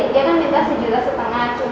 dia kan minta satu juta setengah